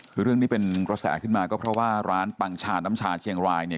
คือเรื่องนี้เป็นกระแสขึ้นมาก็เพราะว่าร้านปังชาน้ำชาเชียงรายเนี่ย